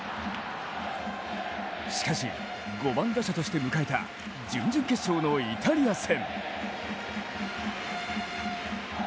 しかし、５番打者として迎えた準々決勝のイタリア戦。